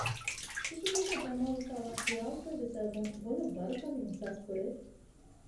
ސިކުނޑީގައި ޖަމާވެފައިވާ ޚިޔާލުތަކުގެ ސަބަބުން ބޮލަށް ބަރުކަމެއް އިޙުސާސްކުރެވެ